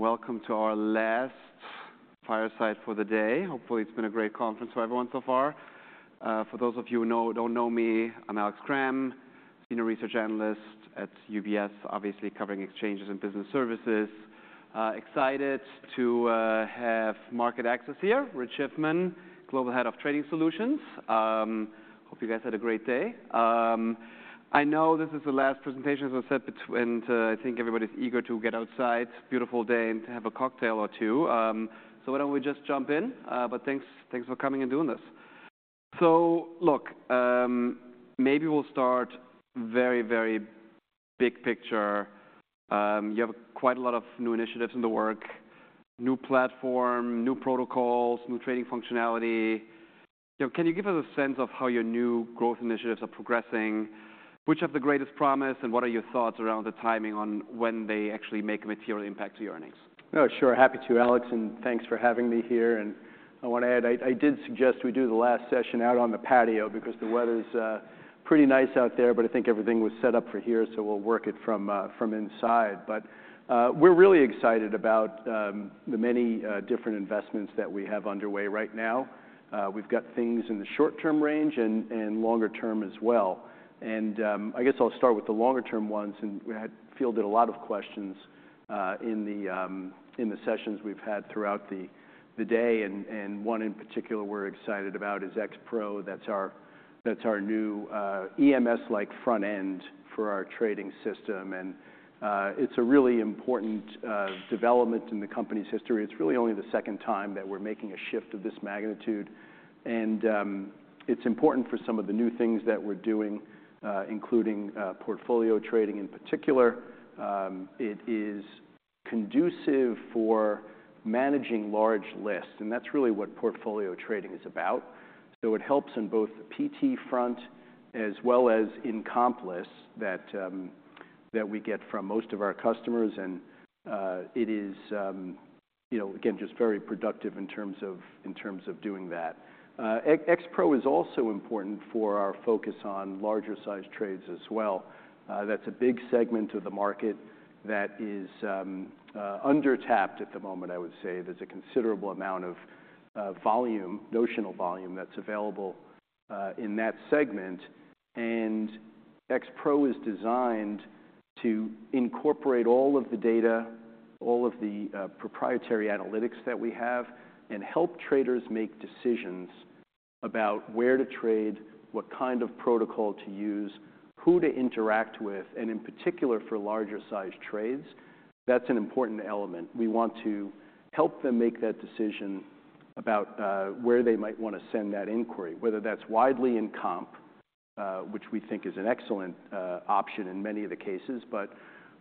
Welcome to our last fireside for the day. Hopefully, it's been a great conference for everyone so far. For those of you who don't know me, I'm Alex Kramm, senior research analyst at UBS, obviously covering exchanges and business services. Excited to have MarketAxess here. Rich Schiffman, Global Head of Trading Solutions. Hope you guys had a great day. I know this is the last presentation, as I said, and I think everybody's eager to get outside, beautiful day, and to have a cocktail or two. So why don't we just jump in? But thanks, thanks for coming and doing this. So look, maybe we'll start very, very big picture. You have quite a lot of new initiatives in the work, new platform, new protocols, new trading functionality. You know, can you give us a sense of how your new growth initiatives are progressing? Which have the greatest promise, and what are your thoughts around the timing on when they actually make a material impact to your earnings? Oh, sure. Happy to, Alex, and thanks for having me here. I want to add, I did suggest we do the last session out on the patio because the weather's pretty nice out there, but I think everything was set up for here, so we'll work it from inside. But, we're really excited about the many different investments that we have underway right now. We've got things in the short-term range and longer term as well. I guess I'll start with the longer-term ones, and we had fielded a lot of questions in the sessions we've had throughout the day, and one in particular we're excited about is X-Pro. That's our new EMS-like front end for our trading system, and it's a really important development in the company's history. It's really only the second time that we're making a shift of this magnitude, and it's important for some of the new things that we're doing, including portfolio trading in particular. It is conducive for managing large lists, and that's really what portfolio trading is about. So it helps in both the PT front as well as in Comp lists that we get from most of our customers, and it is, you know, again, just very productive in terms of doing that. X-Pro is also important for our focus on larger-sized trades as well. That's a big segment of the market that is under-tapped at the moment, I would say. There's a considerable amount of, of volume, notional volume, that's available in that segment, and X-Pro is designed to incorporate all of the data, all of the proprietary analytics that we have, and help traders make decisions about where to trade, what kind of protocol to use, who to interact with, and in particular, for larger-sized trades, that's an important element. We want to help them make that decision about where they might want to send that inquiry, whether that's widely in comp, which we think is an excellent option in many of the cases. But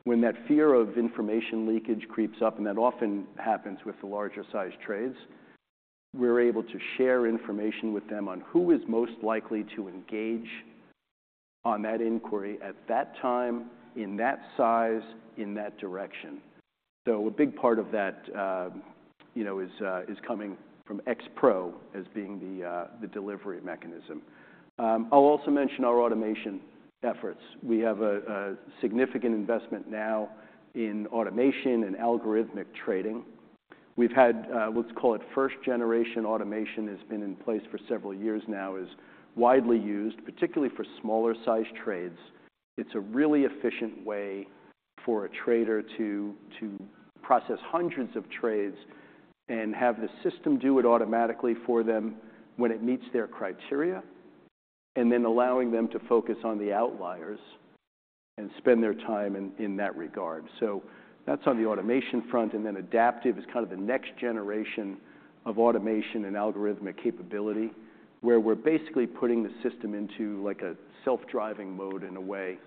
when that fear of information leakage creeps up, and that often happens with the larger-sized trades, we're able to share information with them on who is most likely to engage on that inquiry at that time, in that size, in that direction. So a big part of that, you know, is coming from X-Pro as being the delivery mechanism. I'll also mention our automation efforts. We have a significant investment now in automation and algorithmic trading. We've had, let's call it first generation automation that's been in place for several years now, is widely used, particularly for smaller-sized trades. It's a really efficient way for a trader to process hundreds of trades and have the system do it automatically for them when it meets their criteria, and then allowing them to focus on the outliers and spend their time in that regard. So that's on the automation front, and then Adaptive is kind of the next generation of automation and algorithmic capability, where we're basically putting the system into like a self-driving mode, in a way,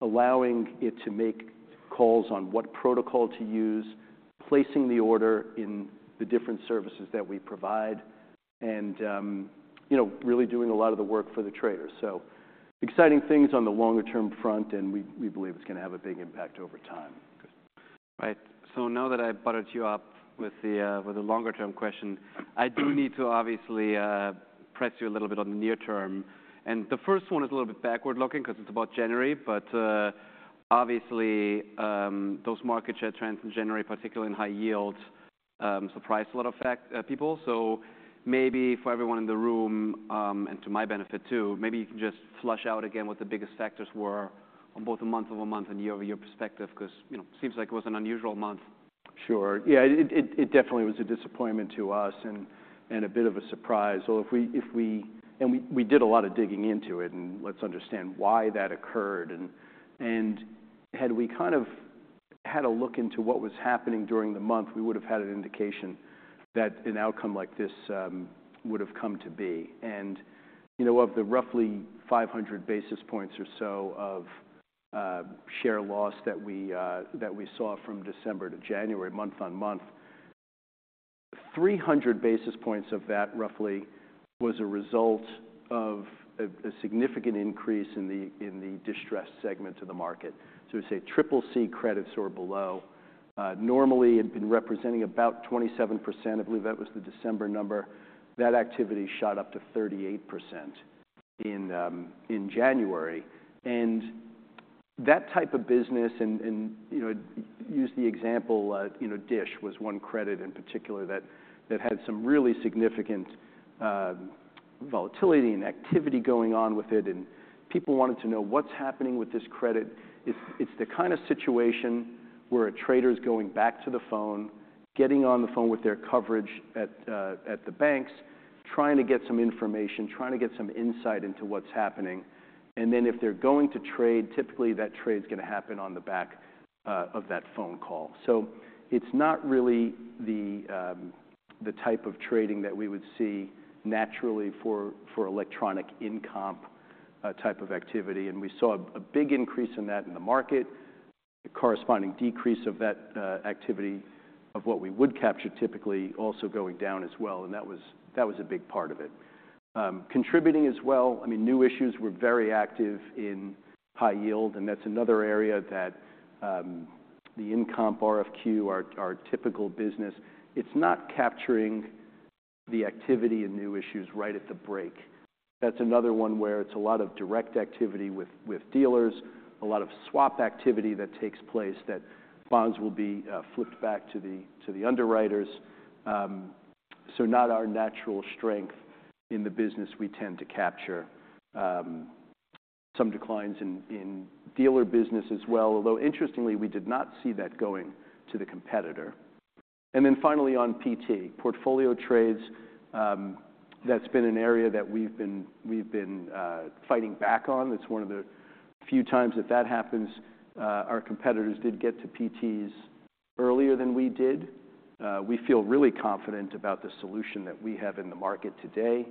allowing it to make calls on what protocol to use, placing the order in the different services that we provide, and, you know, really doing a lot of the work for the trader. So exciting things on the longer-term front, and we believe it's gonna have a big impact over time. Right. So now that I've buttered you up with the, with the longer-term question, I do need to obviously press you a little bit on the near term. And the first one is a little bit backward-looking because it's about January, but obviously, those market share trends in January, particularly in High-Yield, surprised a lot, in fact, people. So maybe for everyone in the room, and to my benefit too, maybe you can just flesh out again what the biggest factors were on both a month-over-month and year-over-year perspective, because, you know, seems like it was an unusual month. Sure. Yeah, it definitely was a disappointment to us and a bit of a surprise. We did a lot of digging into it, and let's understand why that occurred. Had we kind of had a look into what was happening during the month, we would have had an indication that an outcome like this would have come to be. You know, of the roughly 500 basis points or so of share loss that we saw from December to January, month-on-month, 300 basis points of that, roughly, was a result of a significant increase in the distressed segments of the market. So we say CCC credits or below normally had been representing about 27%. I believe that was the December number. That activity shot up to 38% in January. That type of business and, you know, use the example, you know, DISH was one credit in particular that had some really significant volatility and activity going on with it, and people wanted to know what's happening with this credit? It's the kind of situation where a trader's going back to the phone, getting on the phone with their coverage at the banks, trying to get some information, trying to get some insight into what's happening. Then if they're going to trade, typically that trade's gonna happen on the back of that phone call. It's not really the type of trading that we would see naturally for electronic income type of activity. We saw a big increase in that in the market, a corresponding decrease of that activity of what we would capture typically also going down as well, and that was a big part of it. Contributing as well, I mean, new issues were very active in high yield, and that's another area that the in comp RFQ, our typical business, it's not capturing the activity and new issues right at the break. That's another one where it's a lot of direct activity with dealers, a lot of swap activity that takes place, that bonds will be flipped back to the underwriters. So not our natural strength in the business we tend to capture. Some declines in dealer business as well, although interestingly, we did not see that going to the competitor. And then finally, on PT, portfolio trades, that's been an area that we've been fighting back on. It's one of the few times that that happens. Our competitors did get to PTs earlier than we did. We feel really confident about the solution that we have in the market today,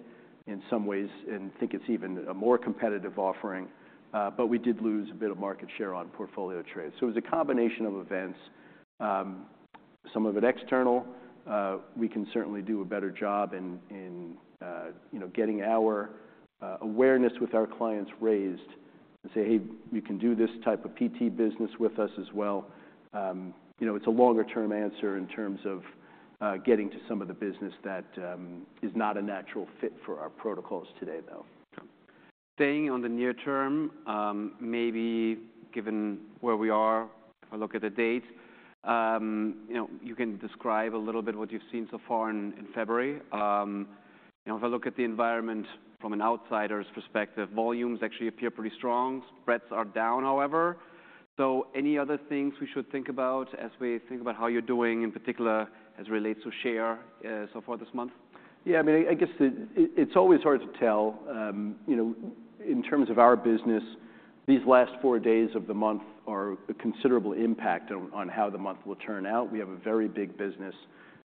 in some ways, and think it's even a more competitive offering, but we did lose a bit of market share on portfolio trades. So it was a combination of events. Some of it external. We can certainly do a better job in getting our awareness with our clients raised and say, "Hey, you can do this type of PT business with us as well." You know, it's a longer-term answer in terms of getting to some of the business that is not a natural fit for our protocols today, though. Staying on the near term, maybe given where we are, if I look at the date, you know, you can describe a little bit what you've seen so far in February. You know, if I look at the environment from an outsider's perspective, volumes actually appear pretty strong. Spreads are down, however. So any other things we should think about as we think about how you're doing, in particular, as it relates to share so far this month? Yeah, I mean, I guess the... It's always hard to tell. You know, in terms of our business, these last four days of the month are a considerable impact on how the month will turn out. We have a very big business,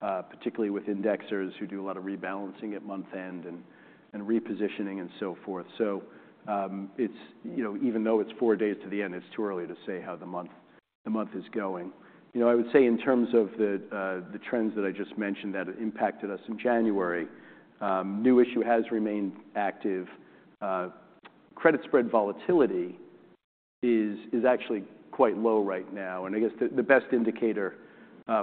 particularly with indexers who do a lot of rebalancing at month-end and repositioning and so forth. So, it's... You know, even though it's four days to the end, it's too early to say how the month is going. You know, I would say in terms of the trends that I just mentioned that have impacted us in January, New Issue has remained active. Credit spread volatility is actually quite low right now, and I guess the best indicator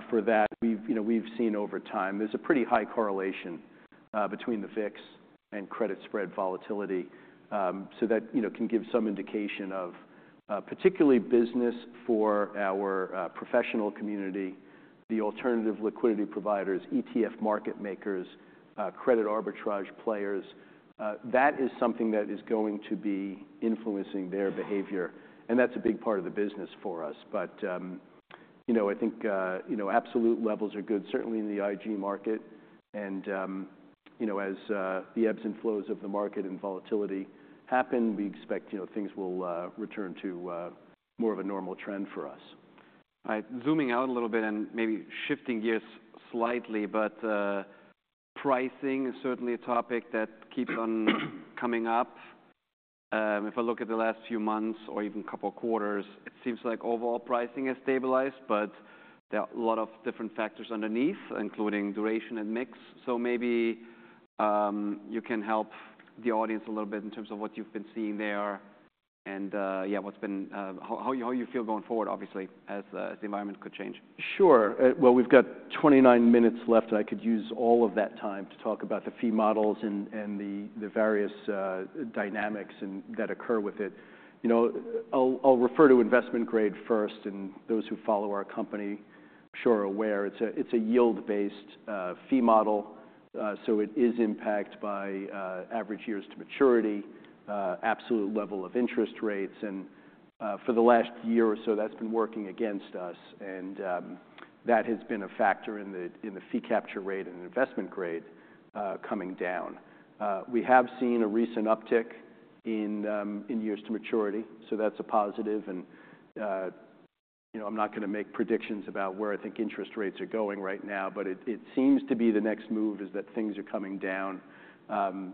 for that, we've you know we've seen over time, there's a pretty high correlation between the VIX and credit spread volatility. So that you know can give some indication of particularly business for our professional community, the alternative liquidity providers, ETF market makers, credit arbitrage players. That is something that is going to be influencing their behavior, and that's a big part of the business for us. But you know I think you know absolute levels are good, certainly in the IG market. And you know as the ebbs and flows of the market and volatility happen, we expect you know things will return to more of a normal trend for us. All right. Zooming out a little bit and maybe shifting gears slightly, but pricing is certainly a topic that keeps on coming up. If I look at the last few months or even couple quarters, it seems like overall pricing has stabilized, but there are a lot of different factors underneath, including duration and mix. So maybe you can help the audience a little bit in terms of what you've been seeing there and yeah, what's been how you feel going forward, obviously, as the environment could change. Sure. Well, we've got 29 minutes left, and I could use all of that time to talk about the fee models and the various dynamics and that occur with it. You know, I'll refer to Investment Grade first, and those who follow our company, I'm sure are aware, it's a yield-based fee model, so it is impacted by average Years to Maturity, absolute level of interest rates. And for the last year or so, that's been working against us, and that has been a factor in the fee capture rate in Investment Grade coming down. We have seen a recent uptick in years to maturity, so that's a positive. And, you know, I'm not gonna make predictions about where I think interest rates are going right now, but it seems to be the next move is that things are coming down.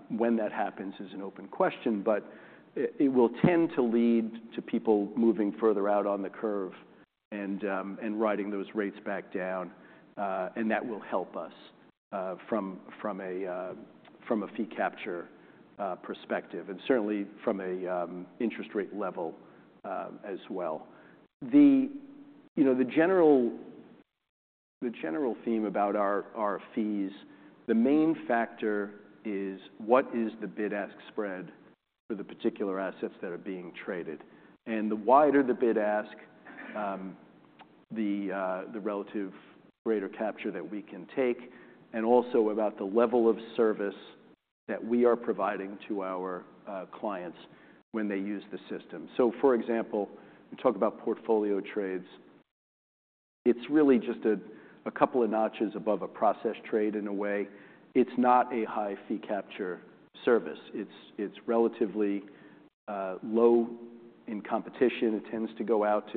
When that happens is an open question, but it will tend to lead to people moving further out on the curve and riding those rates back down. And that will help us from a fee capture perspective, and certainly from an interest rate level as well. You know, the general theme about our fees, the main factor is: what is the bid-ask spread for the particular assets that are being traded? The wider the bid-ask, the relative greater capture that we can take, and also about the level of service that we are providing to our clients when they use the system. So for example, you talk about portfolio trades. It's really just a couple of notches above a process trade in a way. It's not a high fee capture service. It's relatively low in competition. It tends to go out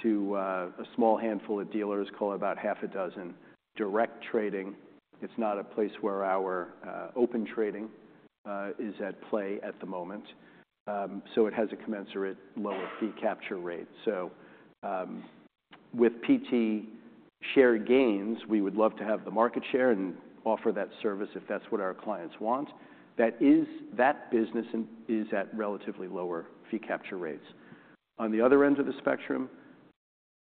to a small handful of dealers, call it about half a dozen. Direct trading, it's not a place where our Open Trading is at play at the moment, so it has a commensurate lower fee capture rate. So, with PT share gains, we would love to have the market share and offer that service if that's what our clients want. That is... That business is at relatively lower fee capture rates. On the other end of the spectrum,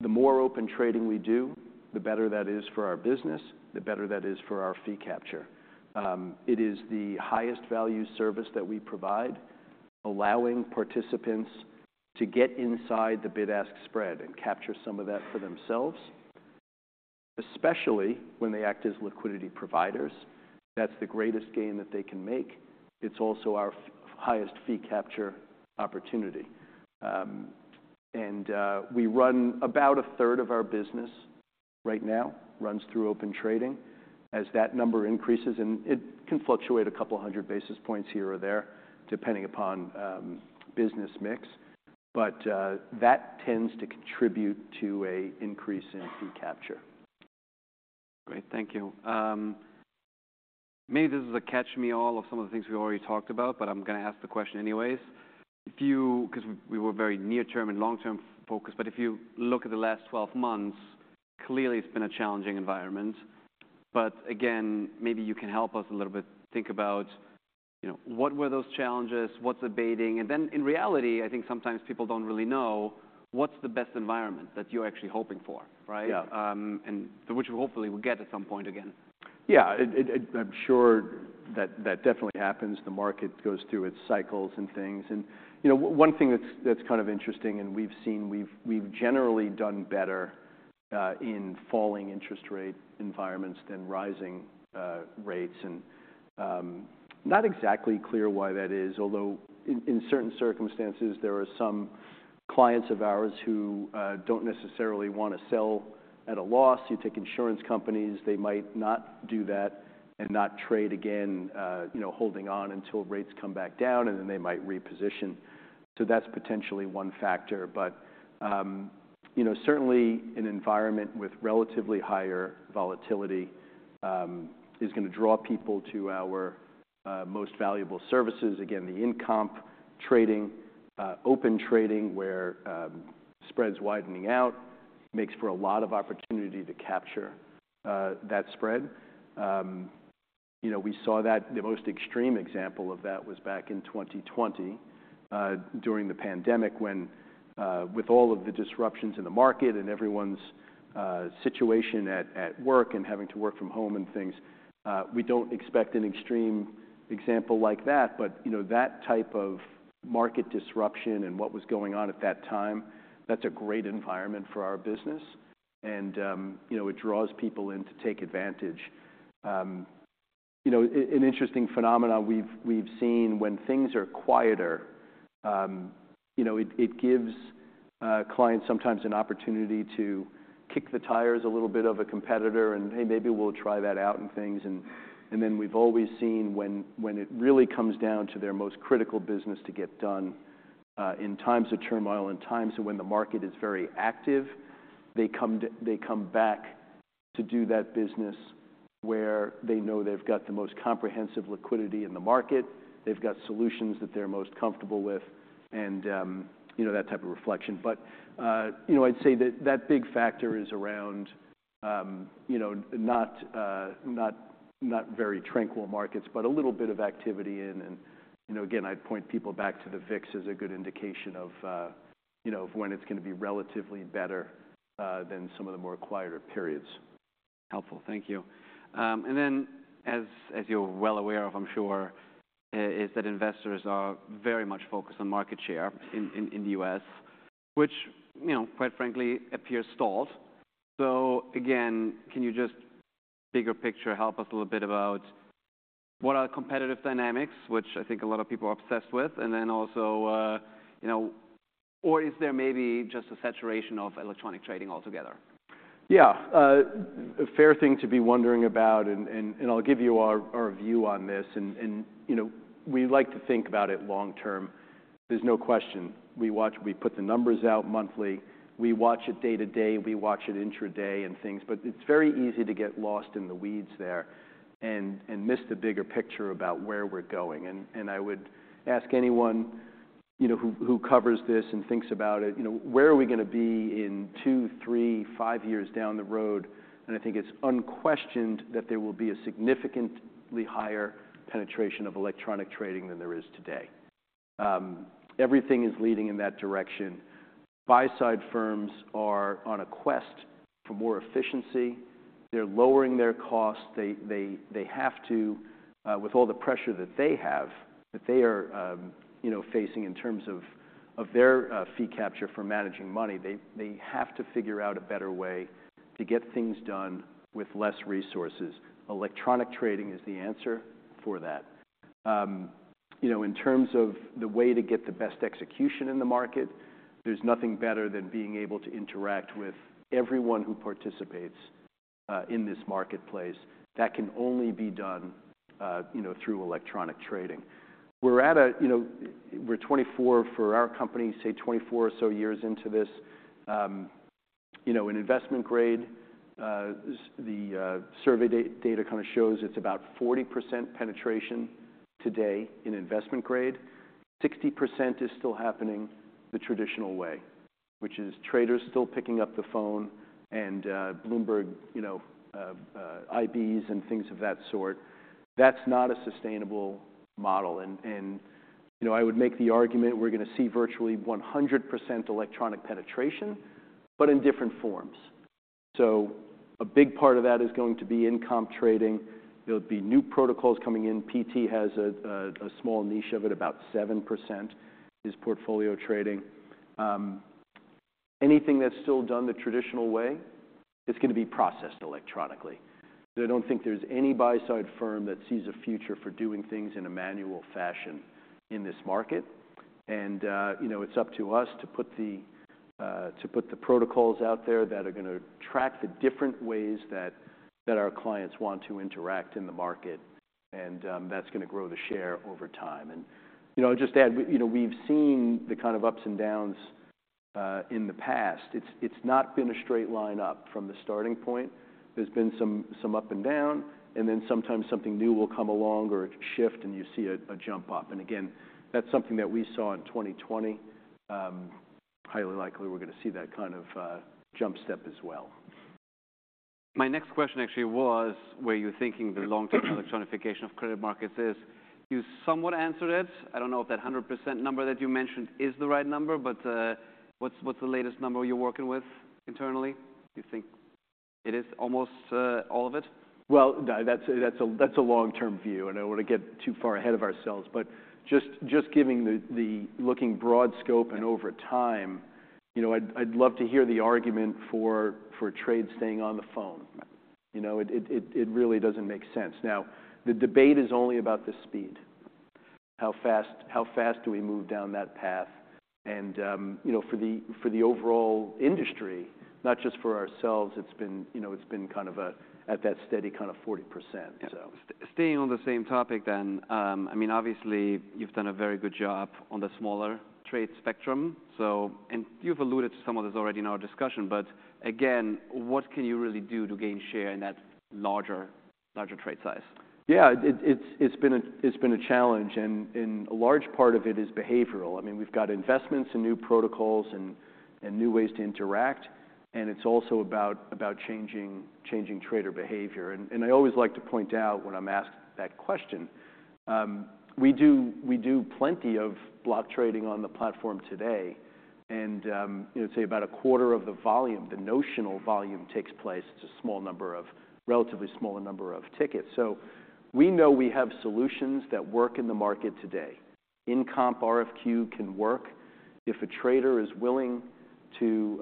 the more Open Trading we do, the better that is for our business, the better that is for our fee capture. It is the highest value service that we provide, allowing participants to get inside the bid-ask spread and capture some of that for themselves, especially when they act as liquidity providers. That's the greatest gain that they can make. It's also our highest fee capture opportunity. We run about a third of our business right now, runs through Open Trading. As that number increases... It can fluctuate a couple of hundred basis points here or there, depending upon business mix, but that tends to contribute to an increase in fee capture. Great, thank you. Maybe this is a catch-all of some of the things we've already talked about, but I'm gonna ask the question anyway. If you, 'cause we were very near-term and long-term focused, but if you look at the last 12 months, clearly it's been a challenging environment. But again, maybe you can help us a little bit think about, you know, what were those challenges? What's abating? And then, in reality, I think sometimes people don't really know, what's the best environment that you're actually hoping for, right? Yeah. To which we hopefully will get at some point again. Yeah, it, I'm sure that definitely happens. The market goes through its cycles and things. And, you know, one thing that's kind of interesting, and we've seen we've generally done better in falling interest rate environments than rising rates. And, not exactly clear why that is, although in certain circumstances, there are some clients of ours who don't necessarily want to sell at a loss. You take insurance companies, they might not do that and not trade again, you know, holding on until rates come back down, and then they might reposition. So that's potentially one factor. But, you know, certainly an environment with relatively higher volatility is gonna draw people to our most valuable services. Again, the In Comp Trading, Open Trading, where spreads widening out makes for a lot of opportunity to capture that spread. You know, we saw that... The most extreme example of that was back in 2020, during the pandemic, when, with all of the disruptions in the market and everyone's situation at, at work and having to work from home and things. We don't expect an extreme example like that, but, you know, that type of market disruption and what was going on at that time, that's a great environment for our business, and, you know, it draws people in to take advantage. You know, an interesting phenomenon we've seen when things are quieter, you know, it gives clients sometimes an opportunity to kick the tires a little bit of a competitor, and, "Hey, maybe we'll try that out," and things. And then we've always seen when it really comes down to their most critical business to get done, in times of turmoil and times when the market is very active, they come back to do that business where they know they've got the most comprehensive liquidity in the market, they've got solutions that they're most comfortable with, and, you know, that type of reflection. But, you know, I'd say that big factor is around, you know, not very tranquil markets, but a little bit of activity in. You know, again, I'd point people back to the VIX as a good indication of, you know, of when it's gonna be relatively better than some of the more quieter periods. Helpful. Thank you. And then as you're well aware of, I'm sure, is that investors are very much focused on market share in the U.S., which, you know, quite frankly, appears stalled. So again, can you just bigger picture, help us a little bit about what are competitive dynamics, which I think a lot of people are obsessed with, and then also, you know... Or is there maybe just a saturation of electronic trading altogether? Yeah. A fair thing to be wondering about, and I'll give you our view on this. And, you know, we like to think about it long term. There's no question. We watch. We put the numbers out monthly, we watch it day to day, we watch it intraday and things, but it's very easy to get lost in the weeds there and miss the bigger picture about where we're going. And I would ask anyone, you know, who covers this and thinks about it, you know, "Where are we gonna be in two, three, five years down the road?" And I think it's unquestioned that there will be a significantly higher penetration of electronic trading than there is today... everything is leading in that direction. Buy-side firms are on a quest for more efficiency. They're lowering their costs. They have to, with all the pressure that they have, that they are, you know, facing in terms of, of their, fee capture for managing money. They have to figure out a better way to get things done with less resources. Electronic trading is the answer for that. You know, in terms of the way to get the best execution in the market, there's nothing better than being able to interact with everyone who participates, in this marketplace. That can only be done, you know, through electronic trading. We're at a... You know, we're 24 for our company, say, 24 or so years into this. You know, in Investment Grade, the survey data kind of shows it's about 40% penetration today in Investment Grade. 60% is still happening the traditional way, which is traders still picking up the phone and Bloomberg, you know, IBs and things of that sort. That's not a sustainable model, and you know, I would make the argument we're gonna see virtually 100% electronic penetration, but in different forms. So a big part of that is going to be in comp trading. There'll be new protocols coming in. PT has a small niche of it, about 7% is portfolio trading. Anything that's still done the traditional way, it's gonna be processed electronically. So I don't think there's any buy-side firm that sees a future for doing things in a manual fashion in this market. And, you know, it's up to us to put the protocols out there that are gonna track the different ways that our clients want to interact in the market, and that's gonna grow the share over time. And, you know, I'll just add, you know, we've seen the kind of ups and downs in the past. It's not been a straight line up from the starting point. There's been some up and down, and then sometimes something new will come along or shift, and you see a jump up. And again, that's something that we saw in 2020. Highly likely we're gonna see that kind of jump step as well. My next question actually was, where you're thinking the long-term electronification of credit markets is. You somewhat answered it. I don't know if that 100% number that you mentioned is the right number, but what's the latest number you're working with internally? Do you think it is almost all of it? Well, that's a long-term view, and I don't want to get too far ahead of ourselves. But just giving the looking broad scope and over time, you know, I'd love to hear the argument for trade staying on the phone. You know, it really doesn't make sense. Now, the debate is only about the speed. How fast do we move down that path? And, you know, for the overall industry, not just for ourselves, it's been, you know, it's been kind of at that steady kind of 40%, so. Staying on the same topic then, I mean, obviously, you've done a very good job on the smaller trade spectrum. So, you've alluded to some of this already in our discussion, but again, what can you really do to gain share in that larger, larger trade size? Yeah, it's been a challenge, and a large part of it is behavioral. I mean, we've got investments in new protocols and new ways to interact, and it's also about changing trader behavior. And I always like to point out when I'm asked that question, we do plenty of block trading on the platform today, and, you know, say, about a quarter of the volume, the notional volume, takes place. It's a small number of relatively smaller number of tickets. So we know we have solutions that work in the market today. In Comp RFQ can work if a trader is willing to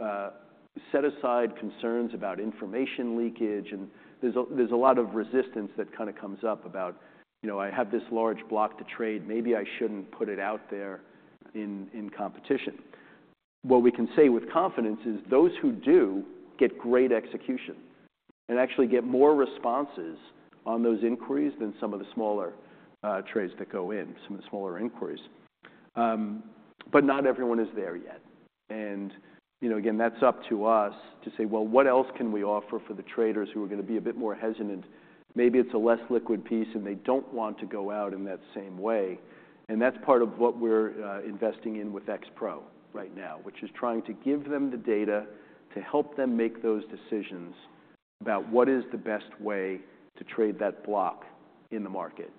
set aside concerns about information leakage, and there's a lot of resistance that kind of comes up about, "You know, I have this large block to trade. Maybe I shouldn't put it out there in competition." What we can say with confidence is those who do get great execution and actually get more responses on those inquiries than some of the smaller trades that go in, some of the smaller inquiries. But not everyone is there yet. And, you know, again, that's up to us to say, "Well, what else can we offer for the traders who are gonna be a bit more hesitant?" Maybe it's a less liquid piece, and they don't want to go out in that same way, and that's part of what we're investing in with X-Pro right now, which is trying to give them the data to help them make those decisions about what is the best way to trade that block in the market.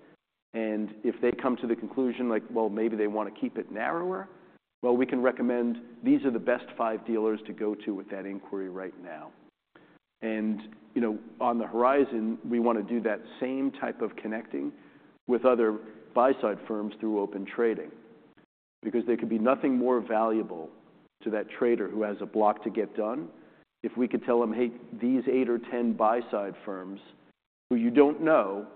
And if they come to the conclusion like, well, maybe they want to keep it narrower, well, we can recommend these are the best five dealers to go to with that inquiry right now. And, you know, on the horizon, we want to do that same type of connecting with other buy-side firms through Open Trading because there could be nothing more valuable to that trader who has a block to get done if we could tell them, "Hey, these eight or 10 buy-side firms who you don't know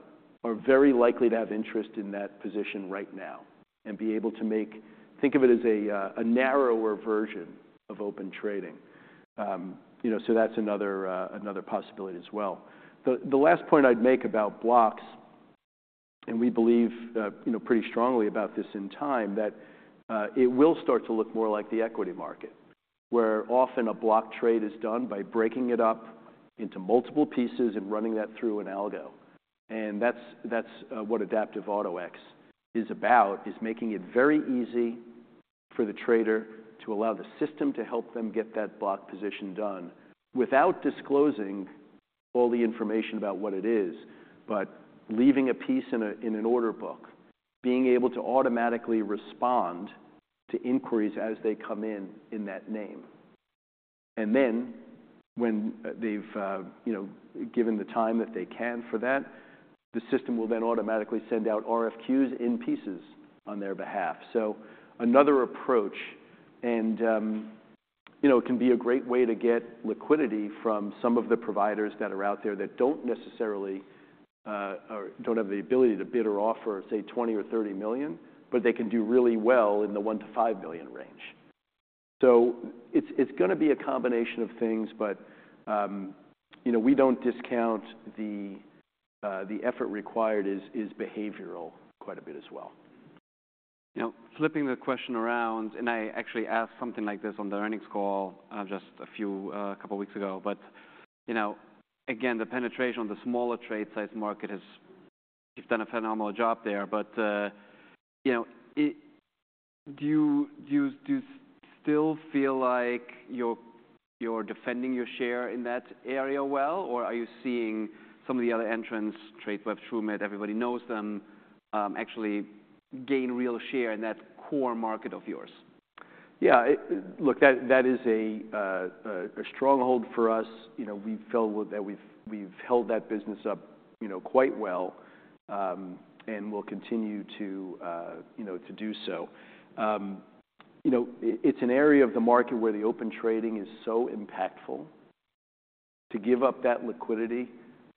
are very likely to have interest in that position right now," and be able to make, think of it as a narrower version of Open Trading. You know, so that's another possibility as well. The last point I'd make about blocks, and we believe, you know, pretty strongly about this in time, that it will start to look more like the equity market, where often a block trade is done by breaking it up into multiple pieces and running that through an algo. And that's what Adaptive Auto-X is about, is making it very easy for the trader to allow the system to help them get that block position done without disclosing all the information about what it is, but leaving a piece in an order book, being able to automatically respond to inquiries as they come in, in that name. And then when they've, you know, given the time that they can for that, the system will then automatically send out RFQs in pieces on their behalf. So another approach, and, you know, it can be a great way to get liquidity from some of the providers that are out there that don't necessarily, or don't have the ability to bid or offer, say, $20 million or $30 million, but they can do really well in the $1 million-$5 million range. So it's gonna be a combination of things, but, you know, we don't discount the, the effort required is behavioral quite a bit as well. You know, flipping the question around, and I actually asked something like this on the earnings call, just a few... a couple of weeks ago. But, you know, again, the penetration on the smaller trade-sized market has. You've done a phenomenal job there, but, you know, it. Do you still feel like you're defending your share in that area well? Or are you seeing some of the other entrants, Tradeweb, Trumid, everybody knows them, actually gain real share in that core market of yours? Yeah, look, that, that is a stronghold for us. You know, we feel that we've, we've held that business up, you know, quite well, and will continue to, you know, to do so. You know, it's an area of the market where the Open Trading is so impactful. To give up that liquidity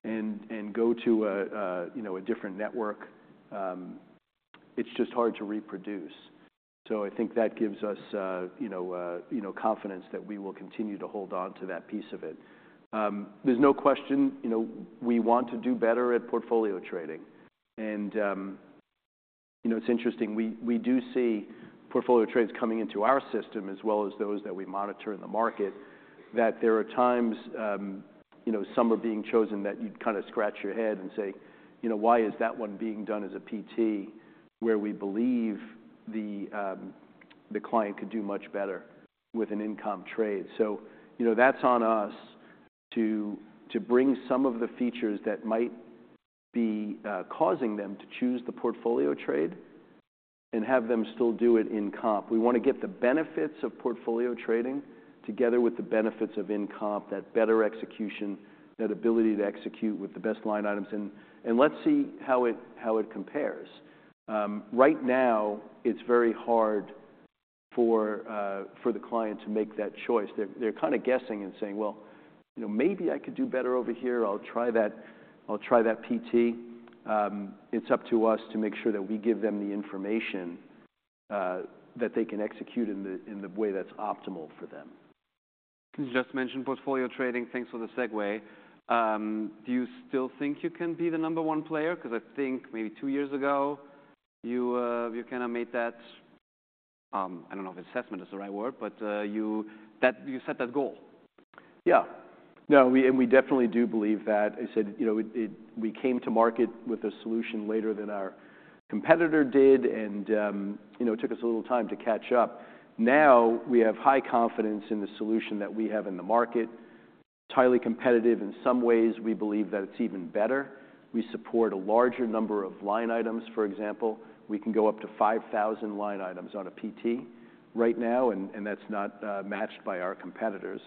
and go to a different network, it's just hard to reproduce. So I think that gives us, you know, confidence that we will continue to hold on to that piece of it. There's no question, you know, we want to do better at Portfolio Trading. You know, it's interesting, we, we do see portfolio trades coming into our system, as well as those that we monitor in the market, that there are times, you know, some are being chosen, that you'd kind of scratch your head and say: "You know, why is that one being done as a PT?" where we believe the, the client could do much better with an in comp trade. So, you know, that's on us to, to bring some of the features that might be causing them to choose the portfolio trade and have them still do it in comp. We want to get the benefits of PT together with the benefits of in comp, that better execution, that ability to execute with the best line items in. And let's see how it, how it compares. Right now, it's very hard for the client to make that choice. They're kind of guessing and saying: "Well, you know, maybe I could do better over here. I'll try that... I'll try that PT." It's up to us to make sure that we give them the information that they can execute in the way that's optimal for them. You just mentioned portfolio trading. Thanks for the segue. Do you still think you can be the number one player? Because I think maybe two years ago, you kind of made that, I don't know if assessment is the right word, but, you set that goal. Yeah. No, we definitely do believe that. I said, you know, we came to market with a solution later than our competitor did, and, you know, it took us a little time to catch up. Now, we have high confidence in the solution that we have in the market. It's highly competitive. In some ways, we believe that it's even better. We support a larger number of line items, for example. We can go up to 5,000 line items on a PT right now, and that's not matched by our competitors.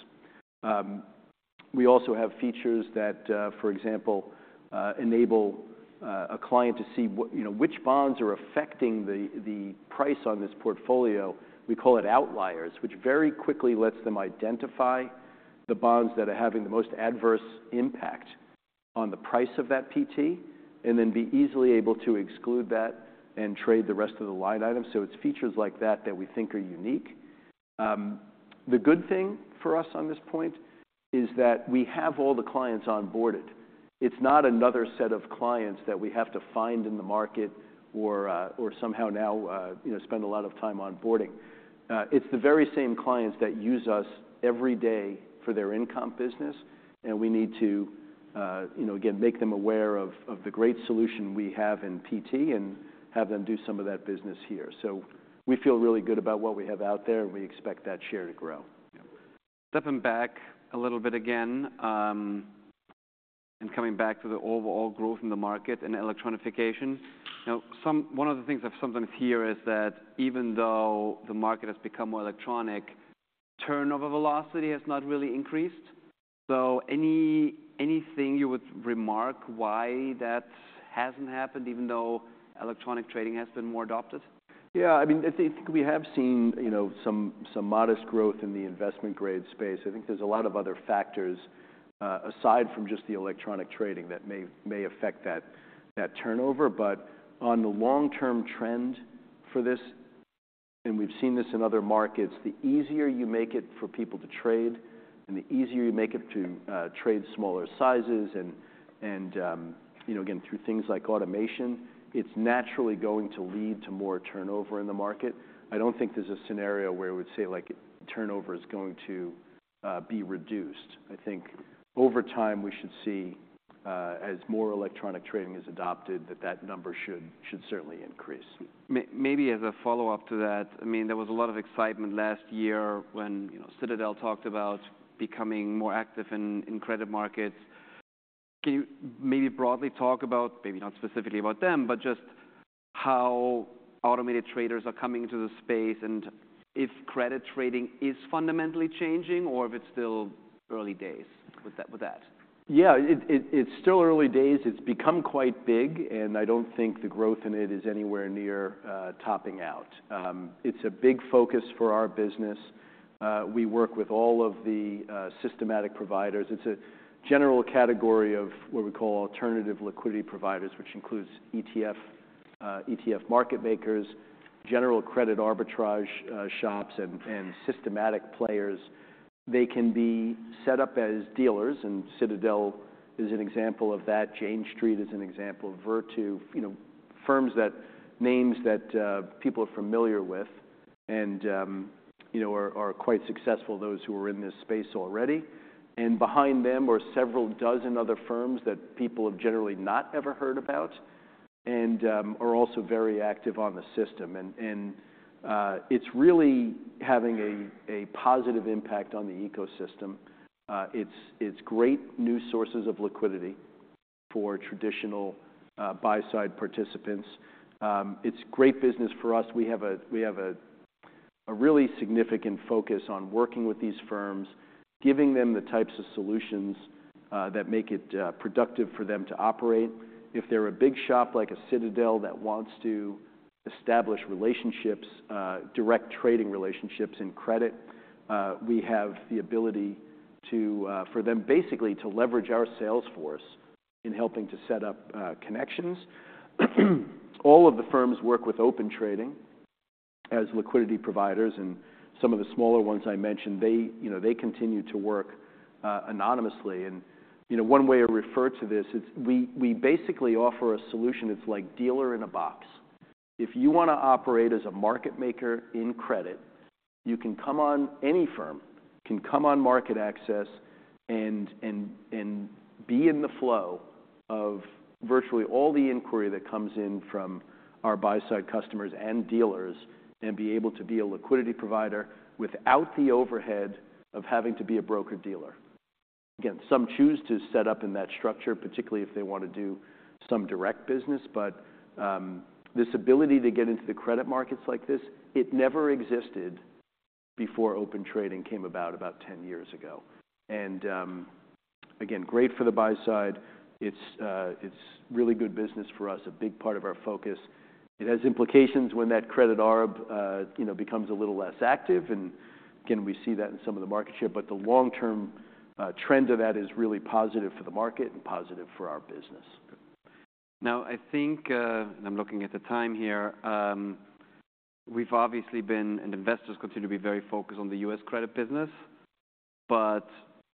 We also have features that, for example, enable a client to see what you know, which bonds are affecting the price on this portfolio. We call it outliers, which very quickly lets them identify the bonds that are having the most adverse impact on the price of that PT, and then be easily able to exclude that and trade the rest of the line items. So it's features like that that we think are unique. The good thing for us on this point is that we have all the clients onboarded. It's not another set of clients that we have to find in the market or, or somehow now, you know, spend a lot of time onboarding. It's the very same clients that use us every day for their income business, and we need to, you know, again, make them aware of, of the great solution we have in PT and have them do some of that business here. We feel really good about what we have out there, and we expect that share to grow. Stepping back a little bit again, and coming back to the overall growth in the market and electronification. Now, one of the things I've sometimes hear is that even though the market has become more electronic, turnover velocity has not really increased. So anything you would remark why that hasn't happened, even though electronic trading has been more adopted? Yeah, I mean, I think we have seen, you know, some modest growth in the Investment Grade space. I think there's a lot of other factors, aside from just the electronic trading that may affect that turnover. But on the long-term trend for this, and we've seen this in other markets, the easier you make it for people to trade, and the easier you make it to trade smaller sizes, and, you know, again, through things like automation, it's naturally going to lead to more turnover in the market. I don't think there's a scenario where I would say, like, turnover is going to be reduced. I think over time, we should see as more electronic trading is adopted, that number should certainly increase. Maybe as a follow-up to that, I mean, there was a lot of excitement last year when, you know, Citadel talked about becoming more active in credit markets. Can you maybe broadly talk about, maybe not specifically about them, but just how automated traders are coming into the space, and if credit trading is fundamentally changing or if it's still early days with that? Yeah, it's still early days. It's become quite big, and I don't think the growth in it is anywhere near topping out. It's a big focus for our business. We work with all of the systematic providers. It's a general category of what we call alternative liquidity providers, which includes ETF market makers, general credit arbitrage shops, and systematic players. They can be set up as dealers, and Citadel is an example of that. Jane Street is an example. Virtu, you know, names that people are familiar with and you know are quite successful, those who are in this space already. And behind them are several dozen other firms that people have generally not ever heard about and are also very active on the system. It's really having a positive impact on the ecosystem. It's great new sources of liquidity for traditional buy side participants. It's great business for us. We have a really significant focus on working with these firms, giving them the types of solutions that make it productive for them to operate. If they're a big shop, like a Citadel, that wants to establish relationships, direct trading relationships in credit, we have the ability to, for them, basically, to leverage our sales force in helping to set up connections. All of the firms work with Open Trading as liquidity providers, and some of the smaller ones I mentioned, you know, they continue to work anonymously. You know, one way I refer to this is we basically offer a solution that's like dealer in a box. If you wanna operate as a market maker in credit, you can come on... Any firm can come on MarketAxess and be in the flow of virtually all the inquiry that comes in from our buy side customers and dealers and be able to be a liquidity provider without the overhead of having to be a broker-dealer. Again, some choose to set up in that structure, particularly if they want to do some direct business, but this ability to get into the credit markets like this, it never existed before Open Trading came about, about 10 years ago. Again, great for the buy side. It's really good business for us, a big part of our focus. It has implications when that credit arb, you know, becomes a little less active. And again, we see that in some of the market share, but the long-term, trend of that is really positive for the market and positive for our business. Now, I think. I'm looking at the time here. We've obviously been, and investors continue to be very focused on the U.S. credit business, but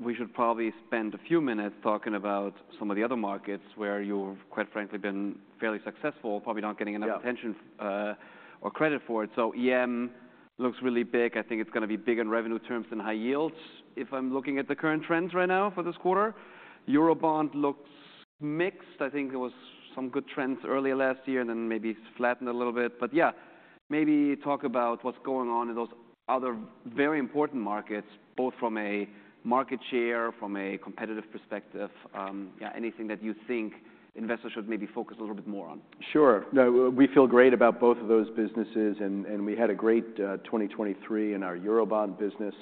we should probably spend a few minutes talking about some of the other markets where you've, quite frankly, been fairly successful, probably not getting- Yeah... enough attention or credit for it. So EM looks really big. I think it's gonna be big in revenue terms and high yields, if I'm looking at the current trends right now for this quarter. Eurobond looks mixed. I think there was some good trends earlier last year, and then maybe it's flattened a little bit. But yeah, maybe talk about what's going on in those other very important markets, both from a market share, from a competitive perspective. Yeah, anything that you think investors should maybe focus a little bit more on. Sure. No, we feel great about both of those businesses, and we had a great 2023 in our Eurobond business.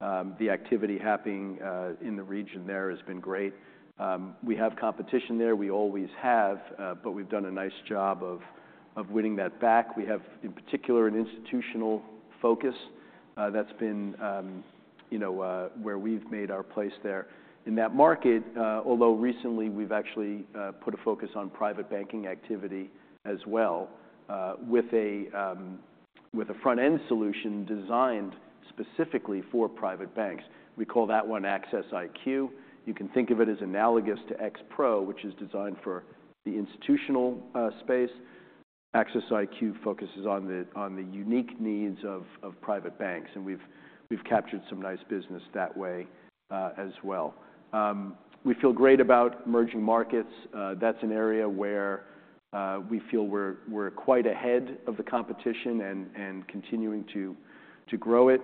The activity happening in the region there has been great. We have competition there, we always have, but we've done a nice job of winning that back. We have, in particular, an institutional focus that's been, you know, where we've made our place there in that market. Although recently, we've actually put a focus on private banking activity as well, with a front-end solution designed specifically for private banks. We call that one Axess IQ. You can think of it as analogous to X-Pro, which is designed for the institutional space. Axess IQ focuses on the unique needs of private banks, and we've captured some nice business that way, as well. We feel great about emerging markets. That's an area where we feel we're quite ahead of the competition and continuing to grow it.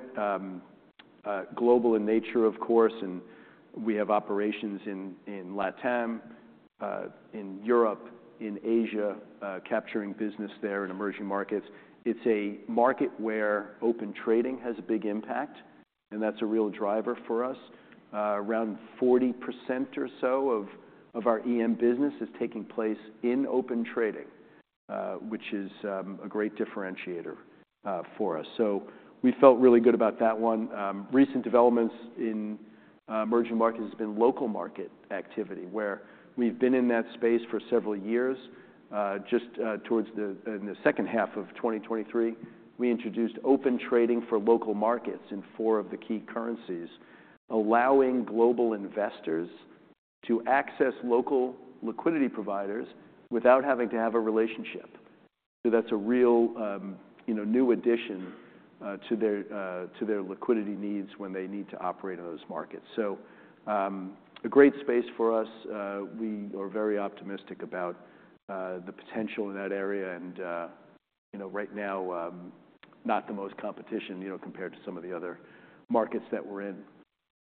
Global in nature, of course, and we have operations in LATAM, in Europe, in Asia, capturing business there in emerging markets. It's a market where Open Trading has a big impact, and that's a real driver for us. Around 40% or so of our EM business is taking place in Open Trading, which is a great differentiator for us. So we felt really good about that one. Recent developments in emerging markets has been local market activity, where we've been in that space for several years. In the second half of 2023, we introduced Open Trading for Local Markets in four of the key currencies, allowing global investors to access local liquidity providers without having to have a relationship.... So that's a real, you know, new addition to their liquidity needs when they need to operate in those markets. So, a great space for us. We are very optimistic about the potential in that area, and, you know, right now, not the most competition, you know, compared to some of the other markets that we're in.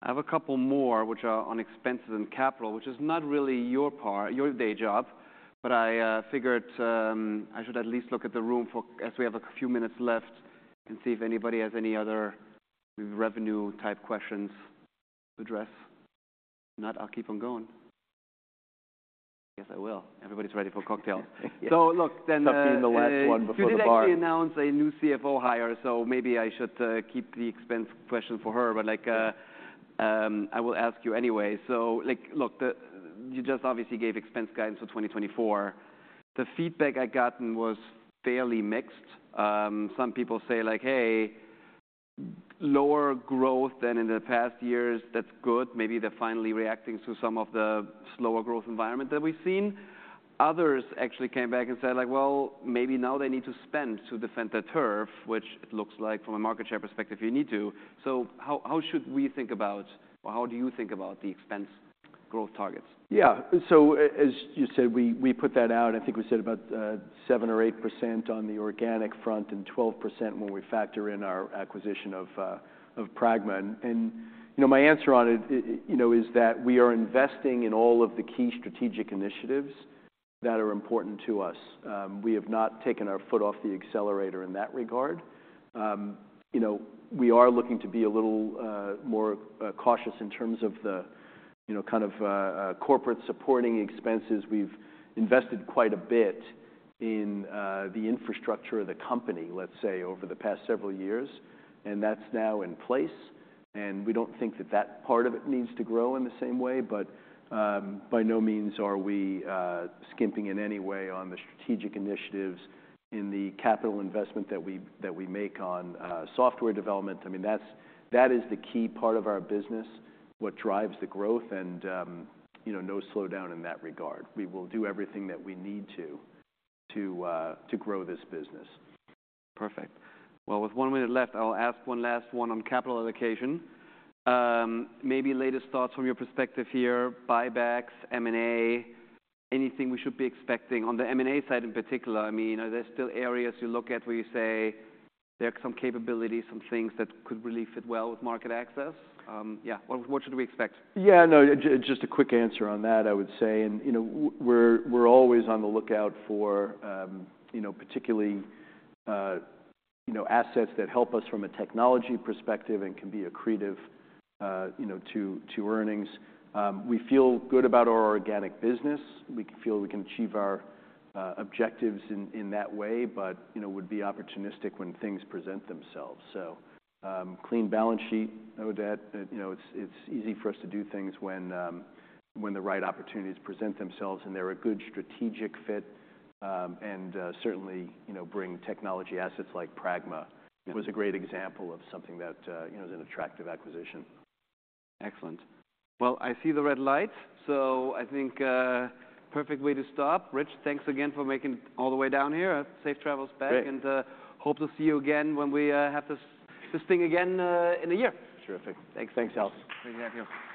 I have a couple more, which are on expenses and capital, which is not really your part, your day job, but I figured, I should at least look at the room for-- as we have a few minutes left, and see if anybody has any other revenue-type questions to address. If not, I'll keep on going. Yes, I will. Everybody's ready for cocktails. So look, then- Being the last one before the bar. You did actually announce a new CFO hire, so maybe I should keep the expense question for her. But like, I will ask you anyway. So like, look, the you just obviously gave expense guidance for 2024. The feedback I've gotten was fairly mixed. Some people say, like, "Hey, lower growth than in the past years, that's good. Maybe they're finally reacting to some of the slower growth environment that we've seen." Others actually came back and said, like, "Well, maybe now they need to spend to defend their turf," which it looks like from a market share perspective, you need to. So how, how should we think about or how do you think about the expense growth targets? Yeah. So as you said, we put that out. I think we said about 7 or 8% on the organic front and 12% when we factor in our acquisition of Pragma. And, you know, my answer on it, you know, is that we are investing in all of the key strategic initiatives that are important to us. We have not taken our foot off the accelerator in that regard. You know, we are looking to be a little more cautious in terms of the, you know, kind of, corporate supporting expenses. We've invested quite a bit in the infrastructure of the company, let's say, over the past several years, and that's now in place, and we don't think that that part of it needs to grow in the same way. But by no means are we skimping in any way on the strategic initiatives in the capital investment that we, that we make on software development. I mean, that's, that is the key part of our business, what drives the growth and, you know, no slowdown in that regard. We will do everything that we need to, to grow this business. Perfect. Well, with one minute left, I'll ask one last one on capital allocation. Maybe latest thoughts from your perspective here, buybacks, M&A, anything we should be expecting on the M&A side in particular? I mean, are there still areas you look at where you say there are some capabilities, some things that could really fit well with MarketAxess? Yeah, what should we expect? Yeah, no, just a quick answer on that, I would say, and you know, we're always on the lookout for, you know, particularly, you know, assets that help us from a technology perspective and can be accretive, you know, to earnings. We feel good about our organic business. We feel we can achieve our objectives in that way, but, you know, would be opportunistic when things present themselves. So, clean balance sheet, no debt, you know, it's easy for us to do things when the right opportunities present themselves, and they're a good strategic fit, and certainly, you know, bring technology assets like Pragma. Yeah. It was a great example of something that, you know, is an attractive acquisition. Excellent. Well, I see the red light, so I think, perfect way to stop. Rich, thanks again for making it all the way down here. Safe travels back. Great. Hope to see you again when we have this thing again in a year. Terrific. Thanks. Thanks, Alex. Thank you.